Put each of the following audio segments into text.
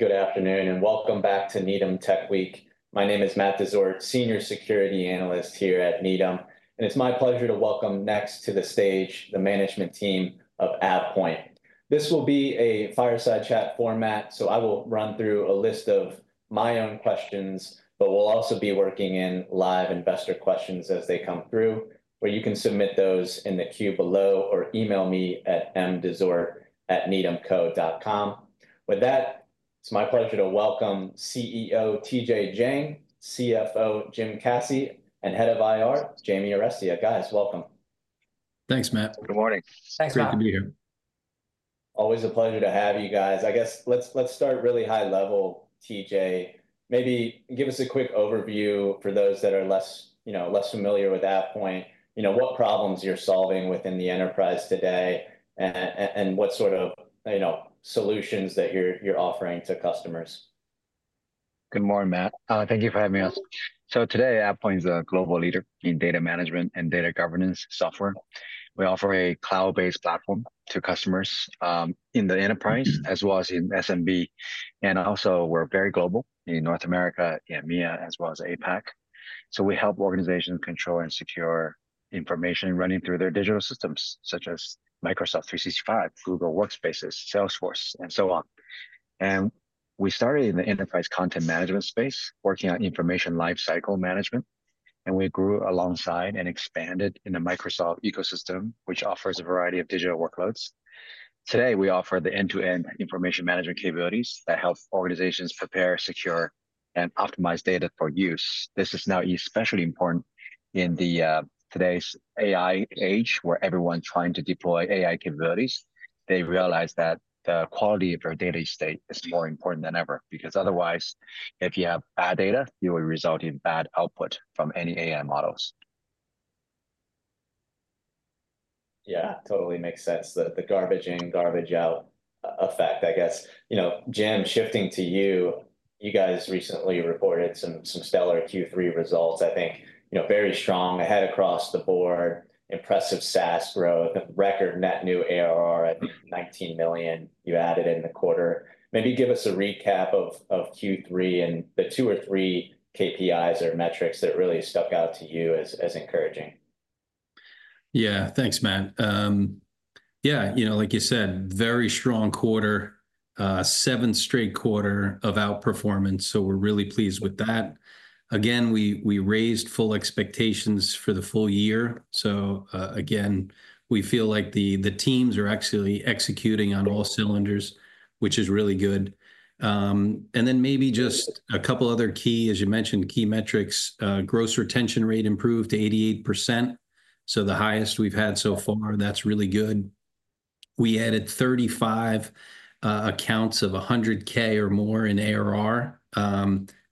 Good afternoon and welcome back to Needham Tech Week. My name is Matt Dezort, Senior Security Analyst here at Needham, and it's my pleasure to welcome next to the stage the management team of AvePoint. This will be a fireside chat format, so I will run through a list of my own questions, but we'll also be working in live investor questions as they come through, where you can submit those in the queue below or email me at mdezort@needhamco.com. With that, it's my pleasure to welcome CEO T.J. Jiang, CFO Jim Caci, and Head of IR Jamie Arestia. Guys, welcome. Thanks, Matt. Good morning. Thanks, Matt. Great to be here. Always a pleasure to have you guys. I guess let's start really high level, T.J. Maybe give us a quick overview for those that are less familiar with AvePoint, what problems you're solving within the enterprise today, and what sort of solutions that you're offering to customers? Good morning, Matt. Thank you for having us. So today, AvePoint is a global leader in data management and data governance software. We offer a cloud-based platform to customers in the enterprise as well as in SMB. And also, we're very global in North America, EMEA, as well as APAC. So we help organizations control and secure information running through their digital systems, such as Microsoft 365, Google Workspace, Salesforce, and so on. And we started in the Enterprise Content Management space, working on Information Lifecycle Management, and we grew alongside and expanded in the Microsoft ecosystem, which offers a variety of digital workloads. Today, we offer the end-to-end information management capabilities that help organizations prepare, secure, and optimize data for use. This is now especially important in today's AI age, where everyone's trying to deploy AI capabilities. They realize that the quality of their data estate is more important than ever, because otherwise, if you have bad data, it will result in bad output from any AI models. Yeah, totally makes sense, the garbage in, garbage out effect. I guess, Jim, shifting to you, you guys recently reported some Stellar Q3 results, I think, very strong ahead across the Board, impressive SaaS growth, record net new ARR at $19 million you added in the quarter. Maybe give us a recap of Q3 and the two or three KPIs or metrics that really stuck out to you as encouraging. Yeah, thanks, Matt. Yeah, like you said, very strong quarter, seven straight quarters of outperformance, so we're really pleased with that. Again, we raised full expectations for the full year. So again, we feel like the teams are actually executing on all cylinders, which is really good. And then maybe just a couple other key, as you mentioned, key metrics, gross retention rate improved to 88%, so the highest we've had so far. That's really good. We added 35 accounts of 100K or more in ARR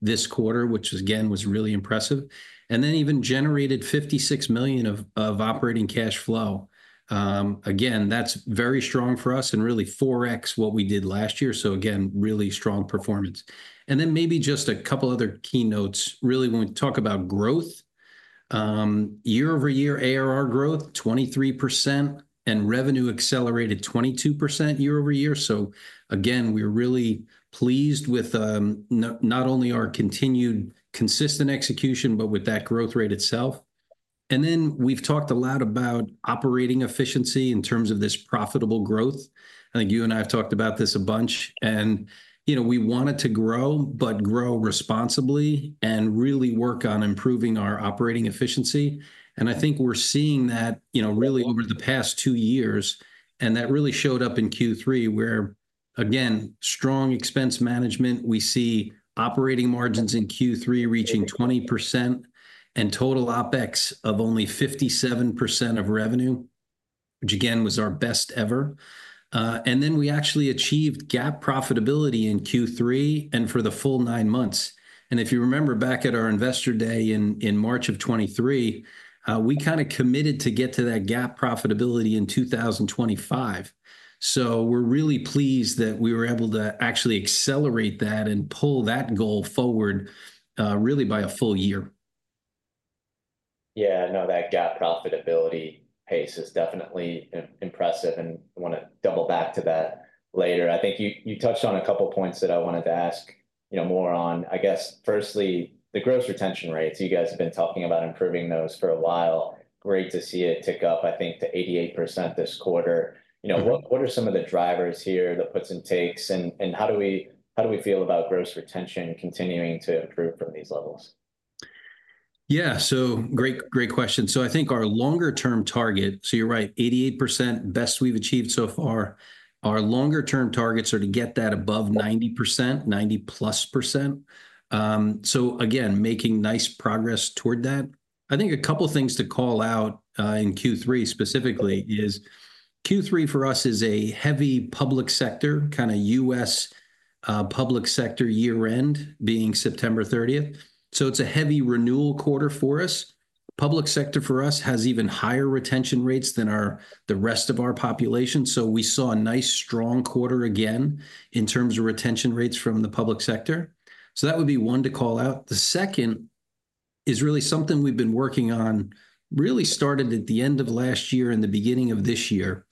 this quarter, which again was really impressive. And then even generated $56 million of operating cash flow. Again, that's very strong for us and really 4x what we did last year. So again, really strong performance. And then maybe just a couple other key notes. Really, when we talk about growth, year-over-year ARR growth, 23%, and revenue accelerated 22% year-over-year. So again, we're really pleased with not only our continued consistent execution, but with that growth rate itself. And then we've talked a lot about operating efficiency in terms of this profitable growth. I think you and I have talked about this a bunch. And we wanted to grow, but grow responsibly and really work on improving our operating efficiency. And I think we're seeing that really over the past two years, and that really showed up in Q3, where, again, strong expense management. We see operating margins in Q3 reaching 20% and total OpEx of only 57% of revenue, which again was our best ever. And then we actually achieved GAAP profitability in Q3 and for the full nine months. And if you remember back at our Investor Day in March of 2023, we kind of committed to get to that GAAP profitability in 2025. So we're really pleased that we were able to actually accelerate that and pull that goal forward really by a full year. Yeah, no, that GAAP profitability pace is definitely impressive, and I want to double back to that later. I think you touched on a couple of points that I wanted to ask more on. I guess, firstly, the gross retention rates, you guys have been talking about improving those for a while. Great to see it tick up, I think, to 88% this quarter. What are some of the drivers here, the puts and takes, and how do we feel about gross retention continuing to improve from these levels? Yeah, so great question. So I think our longer-term target, so you're right, 88%, best we've achieved so far. Our longer-term targets are to get that above 90%, 90%+. So again, making nice progress toward that. I think a couple of things to call out in Q3 specifically is Q3 for us is a heavy public sector, kind of U.S. public sector year-end being September 30th. So it's a heavy renewal quarter for us. Public sector for us has even higher retention rates than the rest of our population. So we saw a nice strong quarter again in terms of retention rates from the public sector. So that would be one to call out. The second is really something we've been working on, really started at the end of last year and the beginning of this year.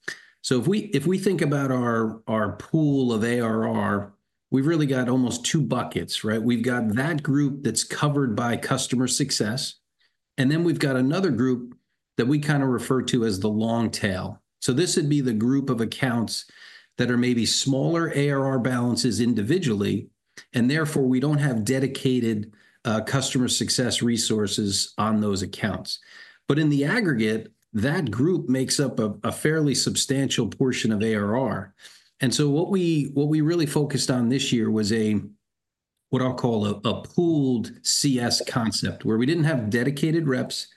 So if we think about our pool of ARR, we've really got almost two buckets. We've got that group that's covered by customer success, and then we've got another group that we kind of refer to as the long tail. So this would be the group of accounts that are maybe smaller ARR balances individually, and therefore we don't have dedicated customer success resources on those accounts. But in the aggregate, that group makes up a fairly substantial portion of ARR. And so what we really focused on this year was what I'll call a pooled CS concept, where we didn't have dedicated reps,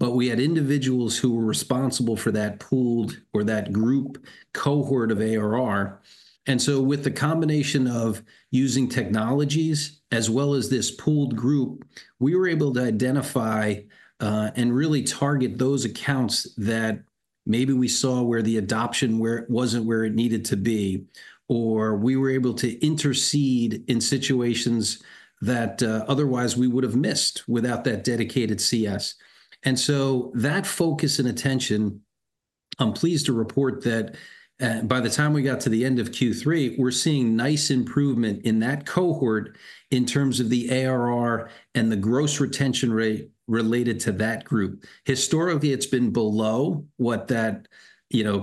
but we had individuals who were responsible for that pooled or that group cohort of ARR. And so, with the combination of using technologies as well as this pooled group, we were able to identify and really target those accounts that maybe we saw where the adoption wasn't where it needed to be, or we were able to intercede in situations that otherwise we would have missed without that dedicated CS. And so that focus and attention, I'm pleased to report that by the time we got to the end of Q3, we're seeing nice improvement in that cohort in terms of the ARR and the gross retention rate related to that group. Historically, it's been below what that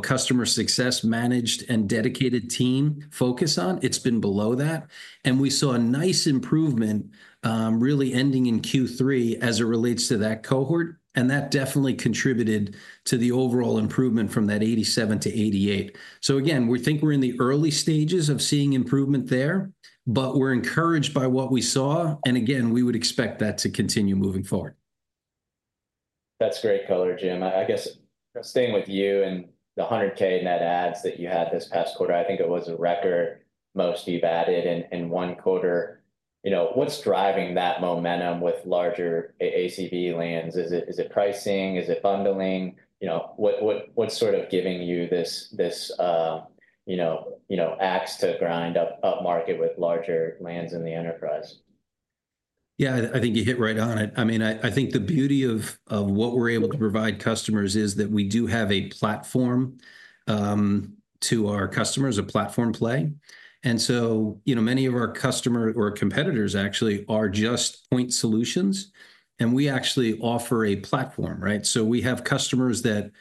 customer success managed and dedicated team focused on. It's been below that. And we saw a nice improvement really ending in Q3 as it relates to that cohort. And that definitely contributed to the overall improvement from that 87% to 88%. So again, we think we're in the early stages of seeing improvement there, but we're encouraged by what we saw. And again, we would expect that to continue moving forward. That's great color, Jim. I guess staying with you and the 100,000 net adds that you had this past quarter, I think it was a record most you've added in one quarter. What's driving that momentum with larger ACV lands? Is it pricing? Is it bundling? What's sort of giving you this axe to grind up market with larger lands in the enterprise? Yeah, I think you hit right on it. I mean, I think the beauty of what we're able to provide customers is that we do have a platform to our customers, a platform play. And so many of our customers or competitors actually are just point solutions, and we actually offer a platform. So we have customers that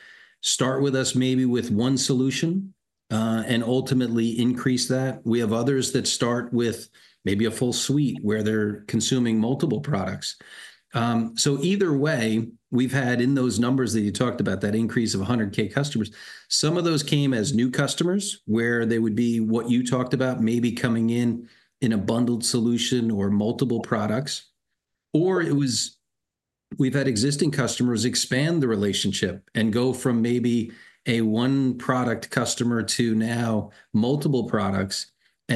start with us maybe with one solution and ultimately increase that. We have others that start with maybe a full suite where they're consuming multiple products. So either way, we've had in those numbers that you talked about, that increase of 100,000 customers, some of those came as new customers where they would be what you talked about, maybe coming in in a bundled solution or multiple products. Or we've had existing customers expand the relationship and go from maybe a one product customer to now multiple products and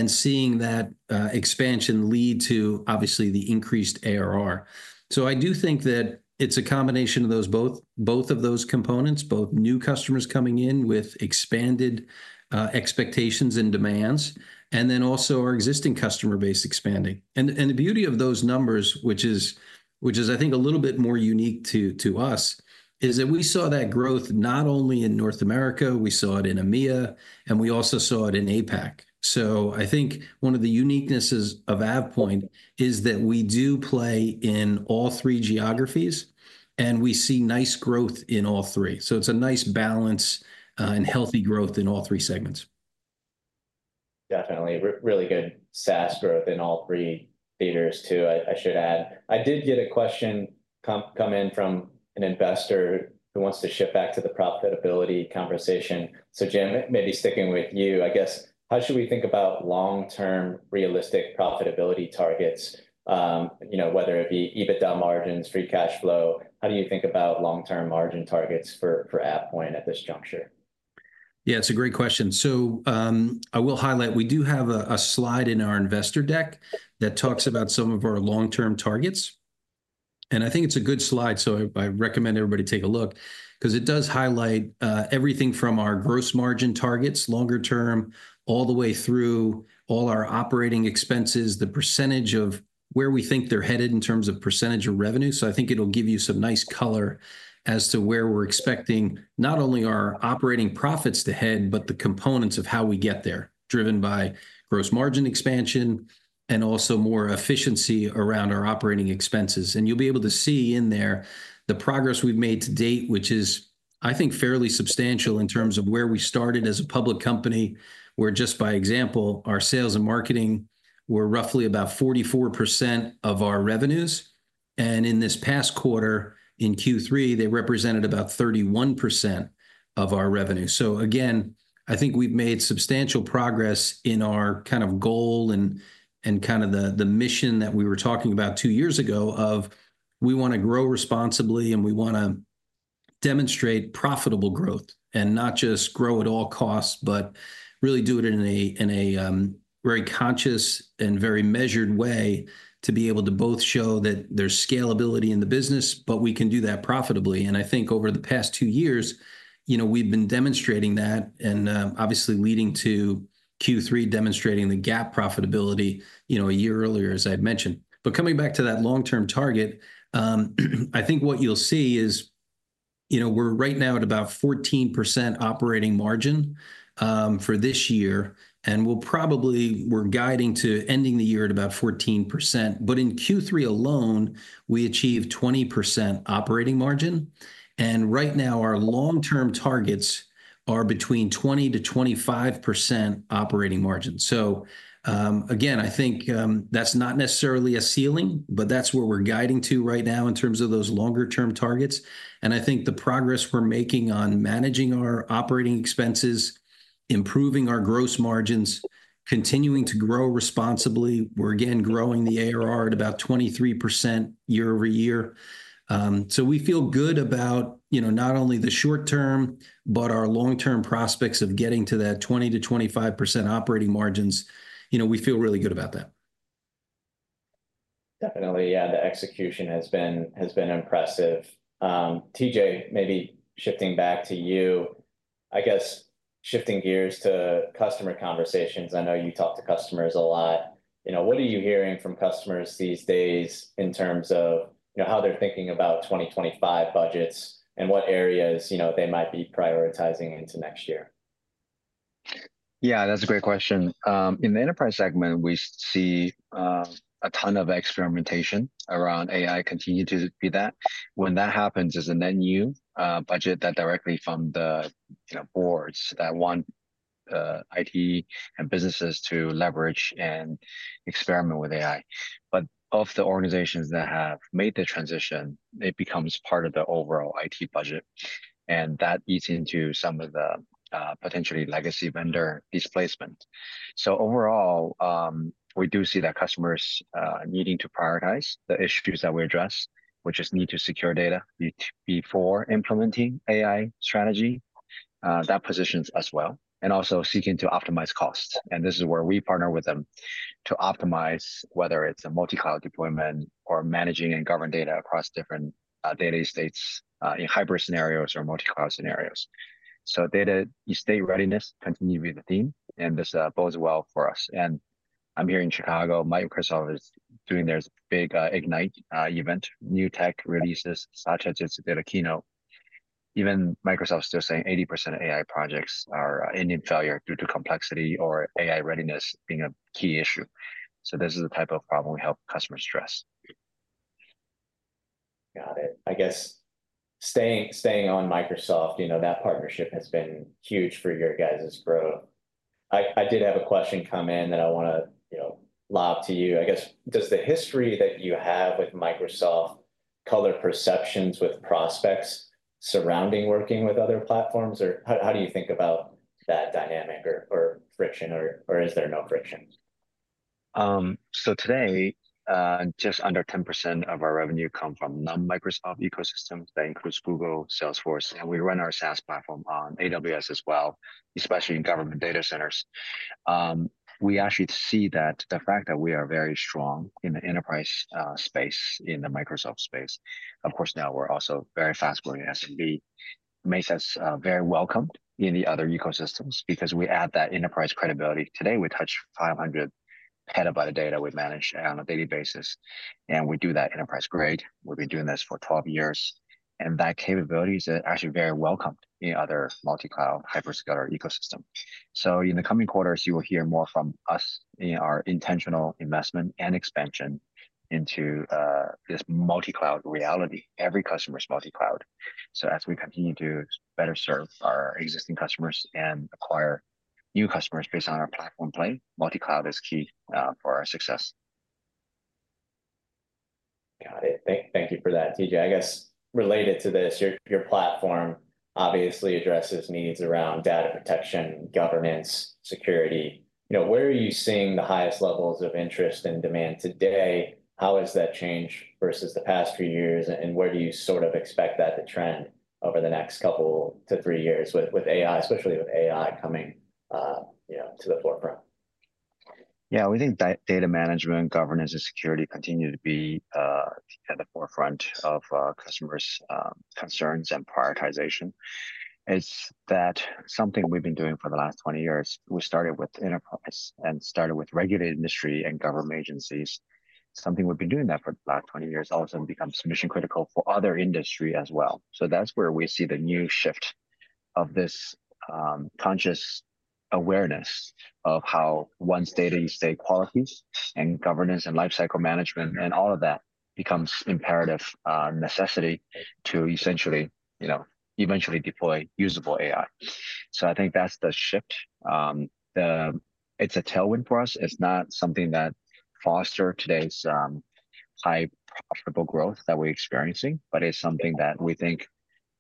seeing that expansion lead to obviously the increased ARR. So I do think that it's a combination of both of those components, both new customers coming in with expanded expectations and demands, and then also our existing customer base expanding. And the beauty of those numbers, which is, I think, a little bit more unique to us, is that we saw that growth not only in North America, we saw it in EMEA, and we also saw it in APAC. So I think one of the uniquenesses of AvePoint is that we do play in all three geographies, and we see nice growth in all three. So it's a nice balance and healthy growth in all three segments. Definitely. Really good SaaS growth in all three theaters, too, I should add. I did get a question come in from an investor who wants to shift back to the profitability conversation. So Jim, maybe sticking with you, I guess, how should we think about long-term realistic profitability targets, whether it be EBITDA margins, free cash flow? How do you think about long-term margin targets for AvePoint at this juncture? Yeah, it's a great question. So I will highlight we do have a slide in our investor deck that talks about some of our long-term targets. And I think it's a good slide, so I recommend everybody take a look, because it does highlight everything from our gross margin targets, longer-term, all the way through all our operating expenses, the percentage of where we think they're headed in terms of percentage of revenue. So I think it'll give you some nice color as to where we're expecting not only our operating profits to head, but the components of how we get there, driven by gross margin expansion and also more efficiency around our operating expenses. You'll be able to see in there the progress we've made to date, which is, I think, fairly substantial in terms of where we started as a public company, where just by example, our sales and marketing were roughly about 44% of our revenues. In this past quarter, in Q3, they represented about 31% of our revenue. Again, I think we've made substantial progress in our kind of goal and kind of the mission that we were talking about two years ago of we want to grow responsibly and we want to demonstrate profitable growth and not just grow at all costs, but really do it in a very conscious and very measured way to be able to both show that there's scalability in the business, but we can do that profitably. I think over the past two years, we've been demonstrating that and obviously leading to Q3 demonstrating the GAAP profitability a year earlier, as I had mentioned. But coming back to that long-term target, I think what you'll see is we're right now at about 14% operating margin for this year. And we're guiding to ending the year at about 14%. But in Q3 alone, we achieved 20% operating margin. And right now, our long-term targets are between 20%-25% operating margin. So again, I think that's not necessarily a ceiling, but that's where we're guiding to right now in terms of those longer-term targets. And I think the progress we're making on managing our operating expenses, improving our gross margins, continuing to grow responsibly, we're again growing the ARR at about 23% year-over-year. So we feel good about not only the short-term, but our long-term prospects of getting to that 20%-25% operating margins. We feel really good about that. Definitely. Yeah, the execution has been impressive. T.J., maybe shifting back to you, I guess shifting gears to customer conversations. I know you talk to customers a lot. What are you hearing from customers these days in terms of how they're thinking about 2025 budgets and what areas they might be prioritizing into next year? Yeah, that's a great question. In the enterprise segment, we see a ton of experimentation around AI continuing to be that. When that happens, there's a net new budget that directly from the boards that want IT and businesses to leverage and experiment with AI, but of the organizations that have made the transition, it becomes part of the overall IT budget, and that eats into some of the potentially legacy vendor displacement. So overall, we do see that customers needing to prioritize the issues that we address, which is need to secure data before implementing AI strategy. That positions us well and also seeking to optimize costs, and this is where we partner with them to optimize, whether it's a multi-cloud deployment or managing and governing data across different data estates in hybrid scenarios or multi-cloud scenarios. Data estate readiness continues to be the theme, and this bodes well for us. I'm here in Chicago. Microsoft is doing their big Ignite event. New tech releases such as its data keynote. Even Microsoft is still saying 80% AI projects are ending in failure due to complexity or AI readiness being a key issue. This is the type of problem we help customers address. Got it. I guess staying on Microsoft, that partnership has been huge for your guys' growth. I did have a question come in that I want to lob to you. I guess, does the history that you have with Microsoft color perceptions with prospects surrounding working with other platforms? Or how do you think about that dynamic or friction, or is there no friction? So today, just under 10% of our revenue comes from non-Microsoft ecosystems. That includes Google, Salesforce. And we run our SaaS platform on AWS as well, especially in government data centers. We actually see that the fact that we are very strong in the enterprise space, in the Microsoft space. Of course, now we're also very fast growing SMB. It makes us very welcome in the other ecosystems because we add that enterprise credibility. Today, we touch 500 petabytes of data we manage on a daily basis. And we do that enterprise grade. We've been doing this for 12 years. And that capability is actually very welcome in other multi-cloud hyperscaler ecosystem. So in the coming quarters, you will hear more from us in our intentional investment and expansion into this multi-cloud reality. Every customer is multi-cloud. So as we continue to better serve our existing customers and acquire new customers based on our platform play, multi-cloud is key for our success. Got it. Thank you for that, T.J I guess related to this, your platform obviously addresses needs around data protection, governance, security. Where are you seeing the highest levels of interest and demand today? How has that changed versus the past few years? And where do you sort of expect that to trend over the next couple to three years with AI, especially with AI coming to the forefront? Yeah, we think data management, governance, and security continue to be at the forefront of customers' concerns and prioritization. It's that something we've been doing for the last 20 years. We started with enterprise and started with regulated industry and government agencies. Something we've been doing that for the last 20 years also becomes mission critical for other industry as well. So that's where we see the new shift of this conscious awareness of how one's data estate qualities and governance and lifecycle management and all of that becomes imperative necessity to essentially eventually deploy usable AI. So I think that's the shift. It's a tailwind for us. It's not something that fosters today's high profitable growth that we're experiencing, but it's something that we think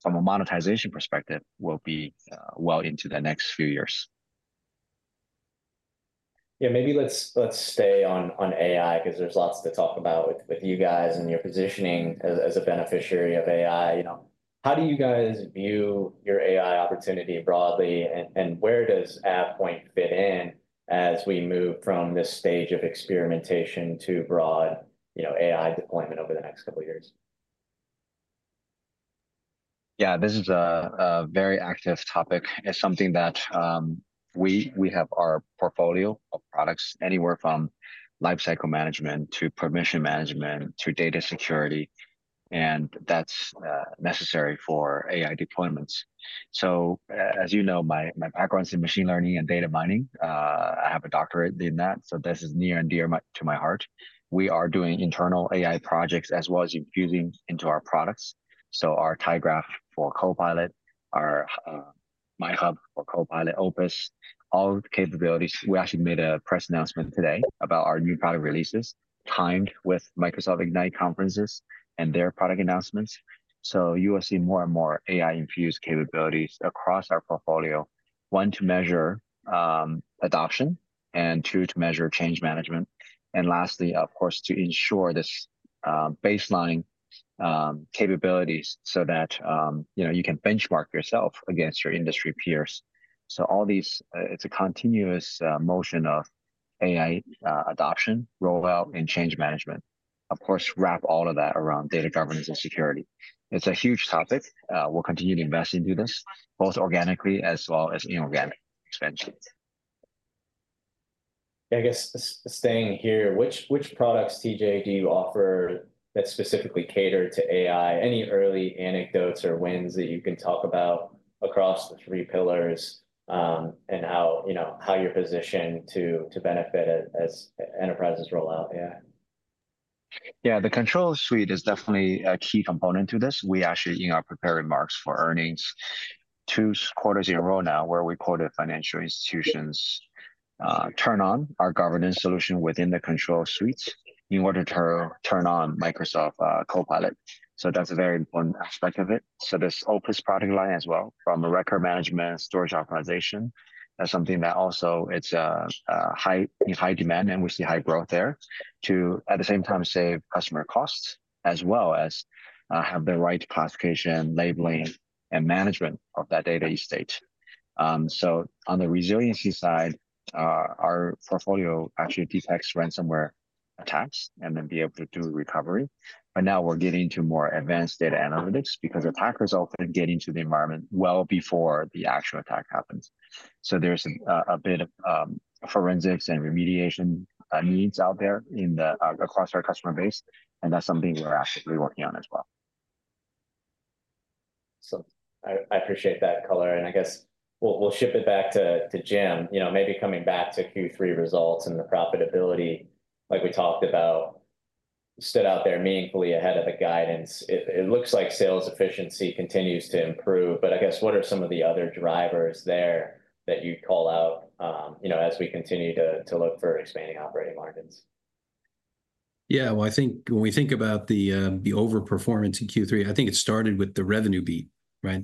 from a monetization perspective will be well into the next few years. Yeah, maybe let's stay on AI because there's lots to talk about with you guys and your positioning as a beneficiary of AI. How do you guys view your AI opportunity broadly, and where does AvePoint fit in as we move from this stage of experimentation to broad AI deployment over the next couple of years? Yeah, this is a very active topic. It's something that we have our portfolio of products anywhere from lifecycle management to permission management to data security. And that's necessary for AI deployments. So as you know, my background is in machine learning and data mining. I have a doctorate in that. So this is near and dear to my heart. We are doing internal AI projects as well as infusing into our products. So our tyGraph for Copilot, our MyHub for Copilot, Opus, all capabilities. We actually made a press announcement today about our new product releases timed with Microsoft Ignite conferences and their product announcements. So you will see more and more AI-infused capabilities across our portfolio, one to measure adoption and two to measure change management. And lastly, of course, to ensure this baseline capabilities so that you can benchmark yourself against your industry peers. So all these, it's a continuous motion of AI adoption, rollout, and change management. Of course, wrap all of that around data governance and security. It's a huge topic. We'll continue to invest into this, both organically as well as inorganic expansion. I guess staying here, which products, T.J., do you offer that specifically cater to AI? Any early anecdotes or wins that you can talk about across the three pillars and how you're positioned to benefit as enterprises roll out AI? Yeah, the Control Suite is definitely a key component to this. We actually are preparing remarks for earnings two quarters in a row now where we quoted financial institutions turn on our governance solution within the Control Suites in order to turn on Microsoft Copilot. So that's a very important aspect of it. So this Opus product line as well from a record management storage optimization, that's something that also it's in high demand and we see high growth there too at the same time save customer costs as well as have the right classification, labeling, and management of that data estate. So on the resiliency side, our portfolio actually detects ransomware attacks and then be able to do recovery. But now we're getting into more advanced data analytics because attackers often get into the environment well before the actual attack happens. So there's a bit of forensics and remediation needs out there across our customer base. And that's something we're actively working on as well. I appreciate that color. I guess we'll ship it back to Jim. Maybe coming back to Q3 results and the profitability, like we talked about, stood out there meaningfully ahead of the guidance. It looks like sales efficiency continues to improve. I guess what are some of the other drivers there that you'd call out as we continue to look for expanding operating margins? Yeah, well, I think when we think about the overperformance in Q3, I think it started with the revenue beat.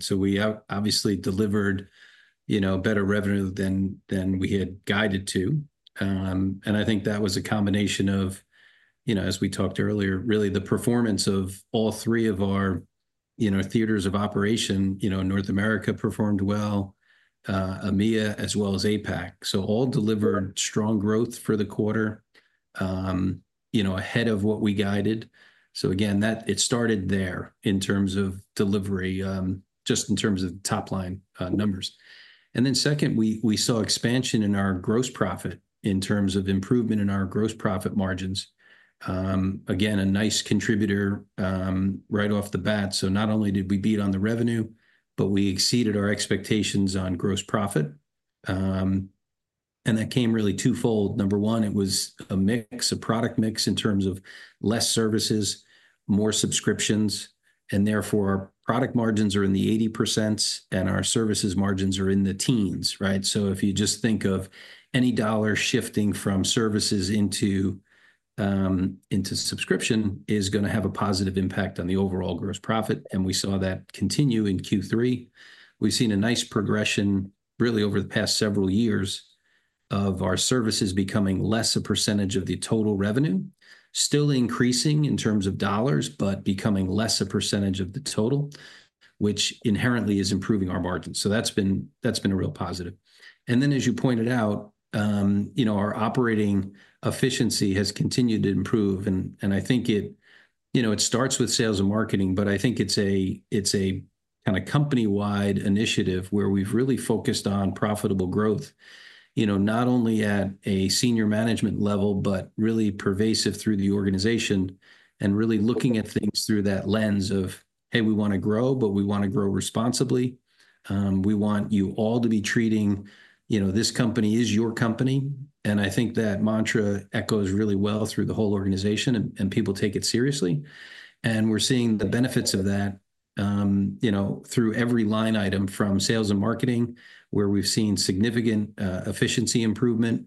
So we obviously delivered better revenue than we had guided to. And I think that was a combination of, as we talked earlier, really the performance of all three of our theaters of operation. North America performed well, EMEA, as well as APAC. So all delivered strong growth for the quarter ahead of what we guided. So again, it started there in terms of delivery, just in terms of top-line numbers. And then second, we saw expansion in our gross profit in terms of improvement in our gross profit margins. Again, a nice contributor right off the bat. So not only did we beat on the revenue, but we exceeded our expectations on gross profit. And that came really twofold. Number one, it was a mix, a product mix in terms of less services, more subscriptions. And therefore, our product margins are in the 80% and our services margins are in the teens. So if you just think of any dollar shifting from services into subscription is going to have a positive impact on the overall gross profit. And we saw that continue in Q3. We've seen a nice progression really over the past several years of our services becoming less a percentage of the total revenue, still increasing in terms of dollars, but becoming less a percentage of the total, which inherently is improving our margins. So that's been a real positive. And then, as you pointed out, our operating efficiency has continued to improve. I think it starts with sales and marketing, but I think it's a kind of company-wide initiative where we've really focused on profitable growth, not only at a senior management level, but really pervasive through the organization and really looking at things through that lens of, hey, we want to grow, but we want to grow responsibly. We want you all to be treating this company as your company. I think that mantra echoes really well through the whole organization, and people take it seriously. We're seeing the benefits of that through every line item from sales and marketing, where we've seen significant efficiency improvement,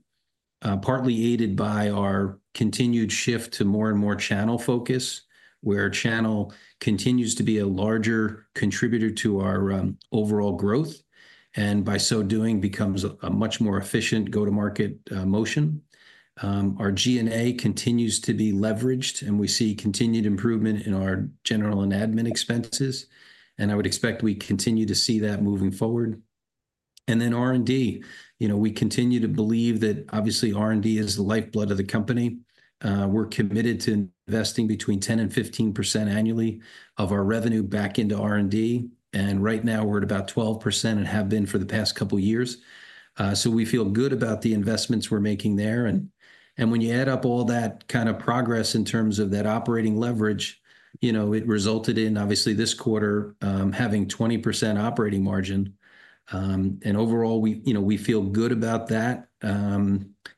partly aided by our continued shift to more and more channel focus, where channel continues to be a larger contributor to our overall growth and by so doing becomes a much more efficient go-to-market motion. Our G&A continues to be leveraged, and we see continued improvement in our general and admin expenses, and I would expect we continue to see that moving forward, and then R&D, we continue to believe that obviously R&D is the lifeblood of the company, we're committed to investing between 10% and 15% annually of our revenue back into R&D, and right now, we're at about 12% and have been for the past couple of years, so we feel good about the investments we're making there, and when you add up all that kind of progress in terms of that operating leverage, it resulted in, obviously, this quarter having 20% operating margin, and overall, we feel good about that,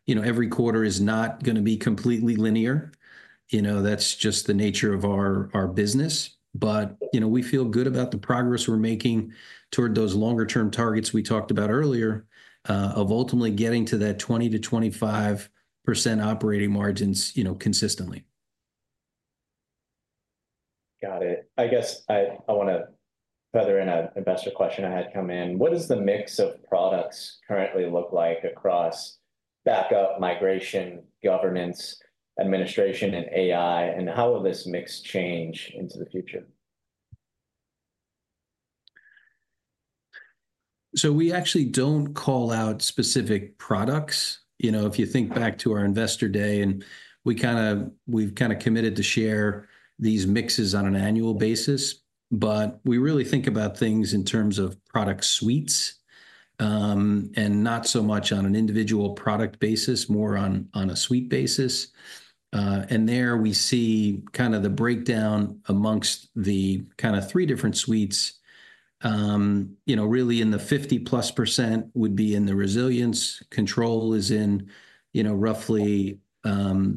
every quarter is not going to be completely linear, that's just the nature of our business. But we feel good about the progress we're making toward those longer-term targets we talked about earlier of ultimately getting to that 20%-25% operating margins consistently. Got it. I guess I want to feather in a investor question I had come in. What does the mix of products currently look like across backup, migration, governance, administration, and AI? And how will this mix change into the future? We actually don't call out specific products. If you think back to our Investor Day, and we've kind of committed to share these mixes on an annual basis. But we really think about things in terms of product suites and not so much on an individual product basis, more on a suite basis. And there we see kind of the breakdown amongst the kind of three different suites. Really, in the 50%+ would be in the Resilience. Control is in roughly high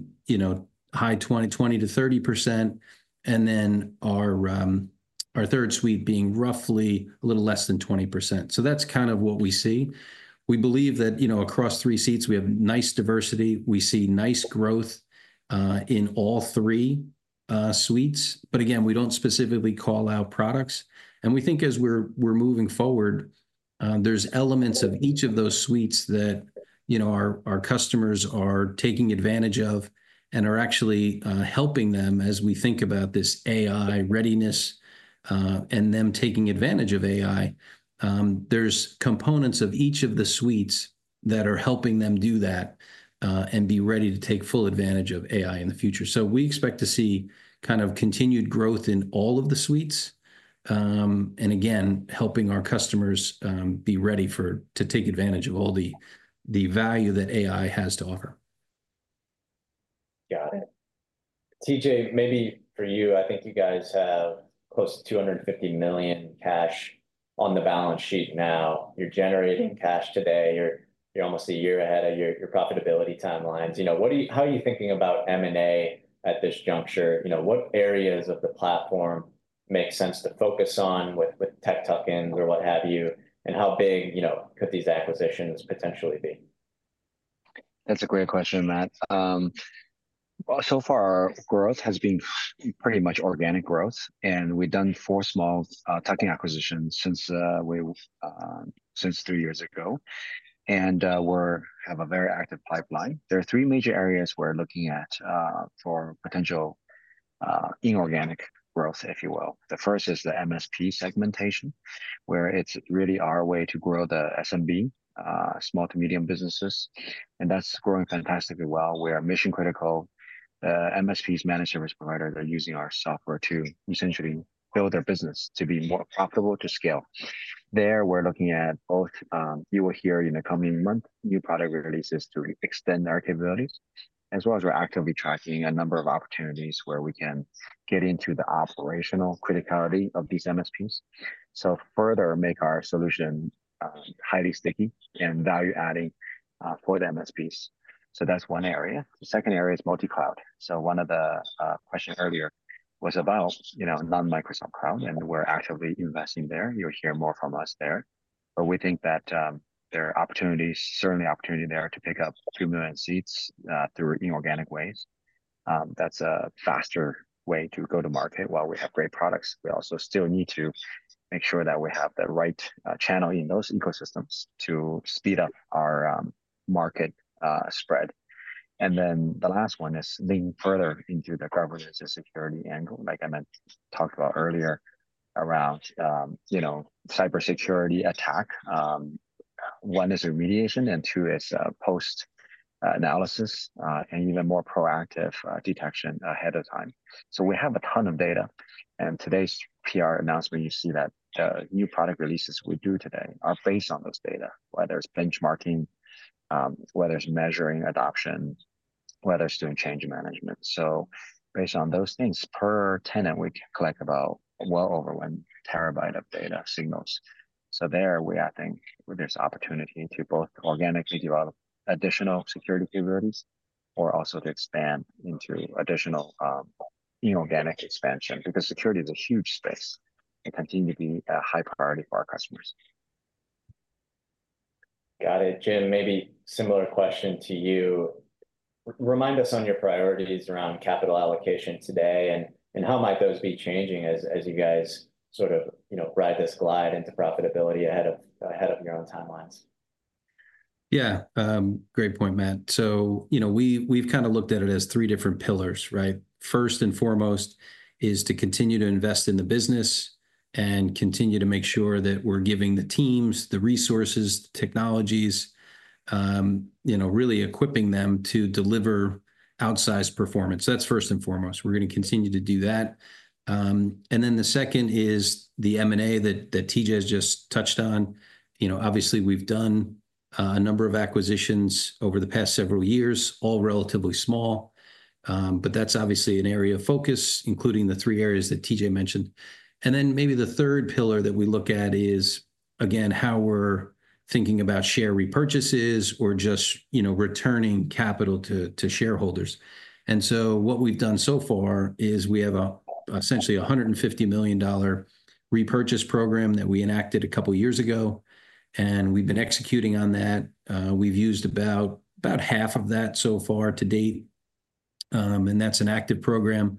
20%-30%. And then our third suite being roughly a little less than 20%. That's kind of what we see. We believe that across three suites, we have nice diversity. We see nice growth in all three suites. But again, we don't specifically call out products. We think as we're moving forward, there's elements of each of those suites that our customers are taking advantage of and are actually helping them as we think about this AI readiness and them taking advantage of AI. There's components of each of the suites that are helping them do that and be ready to take full advantage of AI in the future. We expect to see kind of continued growth in all of the suites and, again, helping our customers be ready to take advantage of all the value that AI has to offer. Got it. T.J., maybe for you, I think you guys have close to $250 million cash on the balance sheet now. You're generating cash today. You're almost a year ahead of your profitability timelines. How are you thinking about M&A at this juncture? What areas of the platform make sense to focus on with tech tuck-ins or what have you? And how big could these acquisitions potentially be? That's a great question, Matt. So far, our growth has been pretty much organic growth, and we've done four small tech acquisitions since three years ago, and we have a very active pipeline. There are three major areas we're looking at for potential inorganic growth, if you will. The first is the MSP segmentation, where it's really our way to grow the SMB, small to medium businesses, and that's growing fantastically well. We are mission-critical. The MSP is managed service provider. They're using our software to essentially build their business to be more profitable to scale. There, we're looking at both, you will hear in the coming month, new product releases to extend our capabilities, as well as we're actively tracking a number of opportunities where we can get into the operational criticality of these MSPs to further make our solution highly sticky and value-adding for the MSPs. So that's one area. The second area is multi-cloud. So one of the questions earlier was about non-Microsoft Cloud, and we're actively investing there. You'll hear more from us there. But we think that there are opportunities, certainly opportunity there to pick up a few million seats through inorganic ways. That's a faster way to go to market while we have great products. We also still need to make sure that we have the right channel in those ecosystems to speed up our market spread. And then the last one is leaning further into the governance and security angle, like I talked about earlier around cybersecurity attack. One is remediation, and two is post-analysis and even more proactive detection ahead of time. So we have a ton of data. And today's PR announcement, you see that the new product releases we do today are based on those data, whether it's benchmarking, whether it's measuring adoption, whether it's doing change management. So based on those things, per tenant, we collect about well over 1 TB of data signals. So there, I think there's opportunity to both organically develop additional security capabilities or also to expand into additional inorganic expansion because security is a huge space and continue to be a high priority for our customers. Got it. Jim, maybe similar question to you. Remind us on your priorities around capital allocation today and how might those be changing as you guys sort of ride this glide into profitability ahead of your own timelines? Yeah, great point, Matt. So we've kind of looked at it as three different pillars. First and foremost is to continue to invest in the business and continue to make sure that we're giving the teams the resources, the technologies, really equipping them to deliver outsized performance. That's first and foremost. We're going to continue to do that. And then the second is the M&A that T.J. has just touched on. Obviously, we've done a number of acquisitions over the past several years, all relatively small. But that's obviously an area of focus, including the three areas that T.J. mentioned. And then maybe the third pillar that we look at is, again, how we're thinking about share repurchases or just returning capital to shareholders. And so what we've done so far is we have essentially a $150 million repurchase program that we enacted a couple of years ago. We've been executing on that. We've used about half of that so far to date. That's an active program.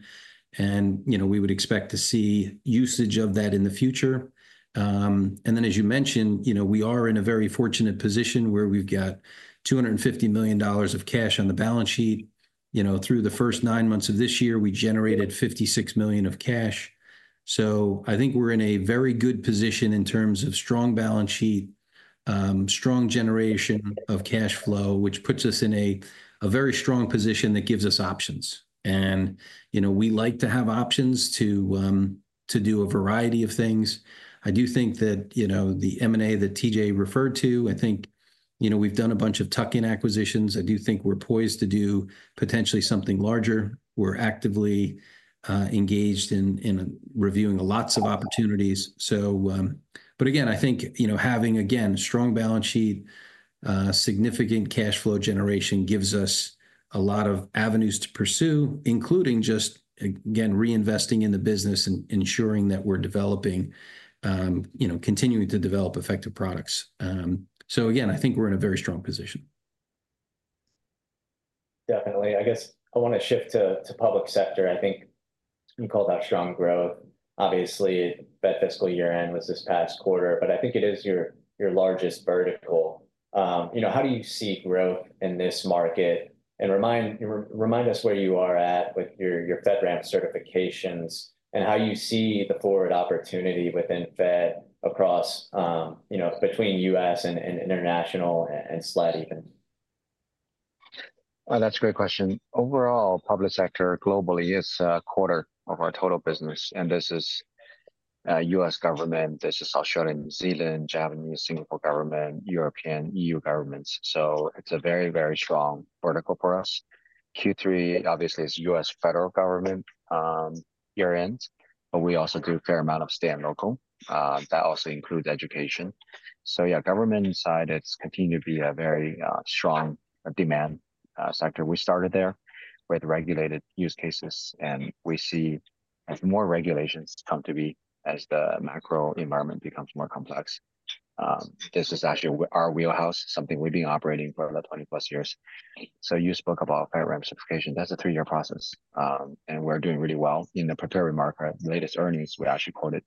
We would expect to see usage of that in the future. Then, as you mentioned, we are in a very fortunate position where we've got $250 million of cash on the balance sheet. Through the first nine months of this year, we generated $56 million of cash. I think we're in a very good position in terms of strong balance sheet, strong generation of cash flow, which puts us in a very strong position that gives us options. We like to have options to do a variety of things. I do think that the M&A that T.J. referred to. I think we've done a bunch of tuck-in acquisitions. I do think we're poised to do potentially something larger. We're actively engaged in reviewing lots of opportunities. But again, I think having, again, strong balance sheet, significant cash flow generation gives us a lot of avenues to pursue, including just, again, reinvesting in the business and ensuring that we're continuing to develop effective products. So again, I think we're in a very strong position. Definitely. I guess I want to shift to public sector. I think you called out strong growth. Obviously, Fed fiscal year-end was this past quarter, but I think it is your largest vertical. How do you see growth in this market? And remind us where you are at with your FedRAMP certifications and how you see the forward opportunity within Fed across between U.S. and international and SLED even. That's a great question. Overall, public sector globally is a quarter of our total business. And this is U.S. government. This is also in New Zealand, Japan, Singapore government, European, EU governments. So it's a very, very strong vertical for us. Q3, obviously, is U.S. federal government year-end, but we also do a fair amount of state and local. That also includes education. So yeah, government side, it's continued to be a very strong demand sector. We started there with regulated use cases. And we see as more regulations come to be as the macro environment becomes more complex. This is actually our wheelhouse, something we've been operating for the 20-plus years. So you spoke about FedRAMP certification. That's a three-year process. And we're doing really well in the prepared remarks. Latest earnings, we actually quoted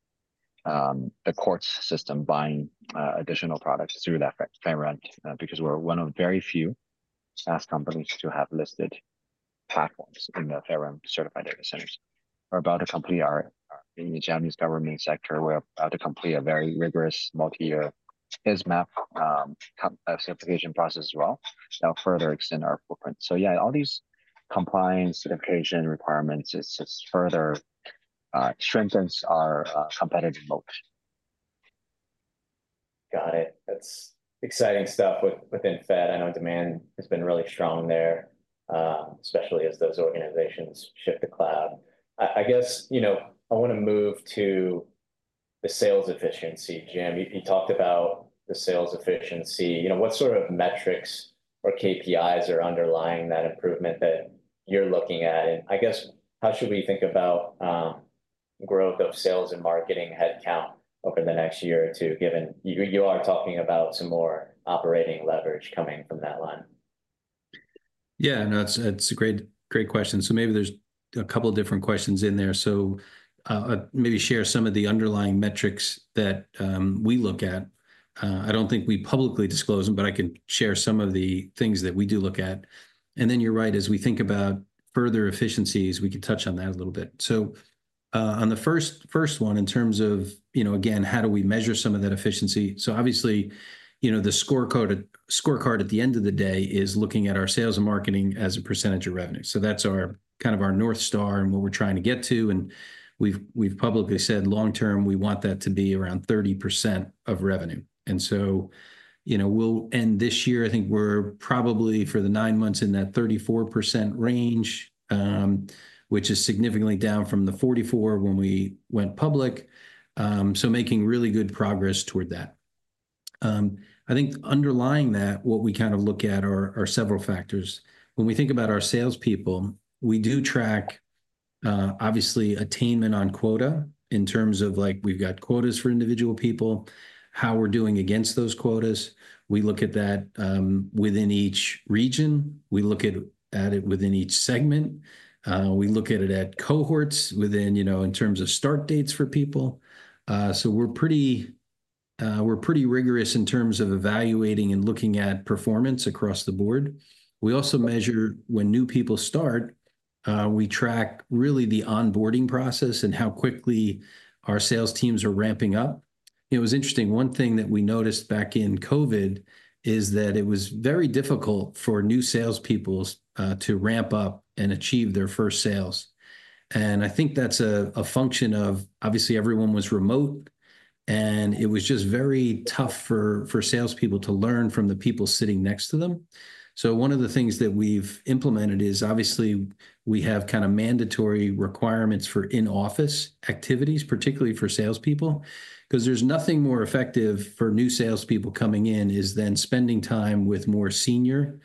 the court system buying additional products through that FedRAMP because we're one of very few SaaS companies to have listed platforms in the FedRAMP certified data centers. We're about to complete our Japanese government sector. We're about to complete a very rigorous multi-year ISMAP certification process as well that will further extend our footprint. So yeah, all these compliance certification requirements just further strengthens our competitive moat. Got it. That's exciting stuff within Fed. I know demand has been really strong there, especially as those organizations shift to cloud. I guess I want to move to the sales efficiency. Jim, you talked about the sales efficiency. What sort of metrics or KPIs are underlying that improvement that you're looking at? And I guess how should we think about growth of sales and marketing headcount over the next year or two, given you are talking about some more operating leverage coming from that line? Yeah, no, it's a great question. So maybe there's a couple of different questions in there. So maybe share some of the underlying metrics that we look at. I don't think we publicly disclose them, but I can share some of the things that we do look at. And then you're right, as we think about further efficiencies, we can touch on that a little bit. So on the first one, in terms of, again, how do we measure some of that efficiency? So obviously, the scorecard at the end of the day is looking at our sales and marketing as a percentage of revenue. So that's kind of our North Star and what we're trying to get to. And we've publicly said long-term, we want that to be around 30% of revenue. And so we'll end this year. I think we're probably for the nine months in that 34% range, which is significantly down from the 44% when we went public. So making really good progress toward that. I think underlying that, what we kind of look at are several factors. When we think about our salespeople, we do track, obviously, attainment on quota in terms of we've got quotas for individual people, how we're doing against those quotas. We look at that within each region. We look at it within each segment. We look at it at cohorts in terms of start dates for people. So we're pretty rigorous in terms of evaluating and looking at performance across the Board. We also measure when new people start. We track really the onboarding process and how quickly our sales teams are ramping up. It was interesting. One thing that we noticed back in COVID is that it was very difficult for new salespeople to ramp up and achieve their first sales, and I think that's a function of, obviously, everyone was remote, and it was just very tough for salespeople to learn from the people sitting next to them, so one of the things that we've implemented is, obviously, we have kind of mandatory requirements for in-office activities, particularly for salespeople, because there's nothing more effective for new salespeople coming in than spending time with more senior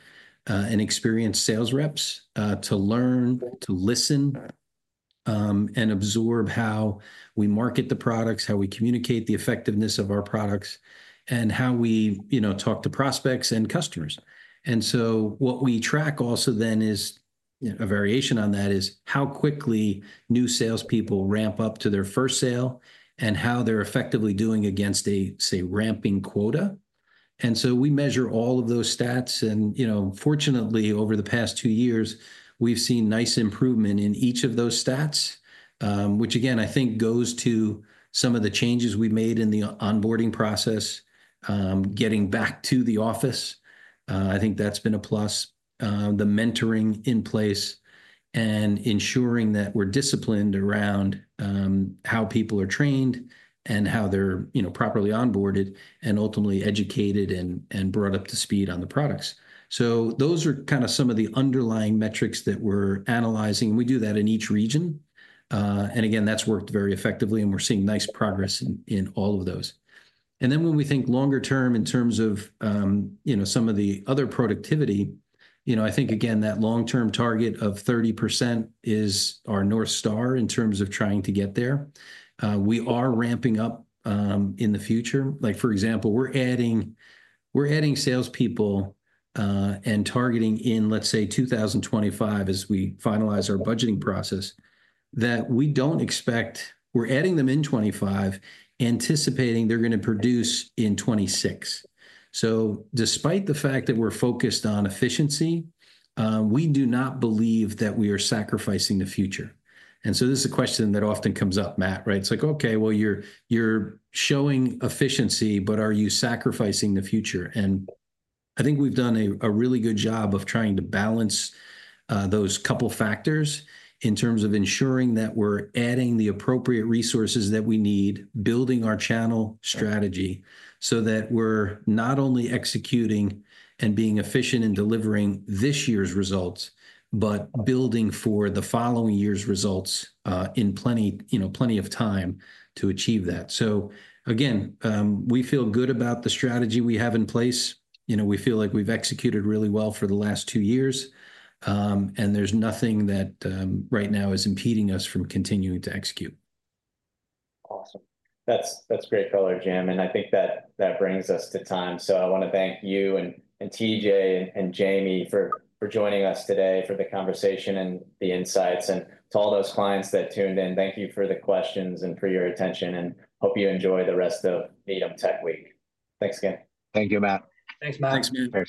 and experienced sales reps to learn, to listen, and absorb how we market the products, how we communicate the effectiveness of our products, and how we talk to prospects and customers. And so what we track also then is a variation on that: how quickly new salespeople ramp up to their first sale and how they're effectively doing against a, say, ramping quota. And so we measure all of those stats. And fortunately, over the past two years, we've seen nice improvement in each of those stats, which, again, I think goes to some of the changes we made in the onboarding process, getting back to the office. I think that's been a plus, the mentoring in place and ensuring that we're disciplined around how people are trained and how they're properly onboarded and ultimately educated and brought up to speed on the products. So those are kind of some of the underlying metrics that we're analyzing. And we do that in each region. And again, that's worked very effectively. And we're seeing nice progress in all of those. And then when we think longer-term in terms of some of the other productivity, I think, again, that long-term target of 30% is our North Star in terms of trying to get there. We are ramping up in the future. For example, we're adding salespeople and targeting in, let's say, 2025 as we finalize our budgeting process that we don't expect we're adding them in 2025, anticipating they're going to produce in 2026. So despite the fact that we're focused on efficiency, we do not believe that we are sacrificing the future. And so this is a question that often comes up, Matt, right? It's like, okay, well, you're showing efficiency, but are you sacrificing the future? And I think we've done a really good job of trying to balance those couple of factors in terms of ensuring that we're adding the appropriate resources that we need, building our channel strategy so that we're not only executing and being efficient in delivering this year's results, but building for the following year's results in plenty of time to achieve that. So again, we feel good about the strategy we have in place. We feel like we've executed really well for the last two years. And there's nothing that right now is impeding us from continuing to execute. Awesome. That's great color, Jim, and I think that brings us to time. So I want to thank you and T.J. and Jamie for joining us today for the conversation and the insights, and to all those clients that tuned in, thank you for the questions and for your attention, and hope you enjoy the rest of Needham Tech Week. Thanks again. Thank you, Matt. Thanks, Matt. Thanks, Matt.